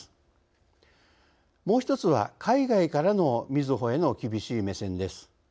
もう１つは海外からのみずほへの厳しい目線です。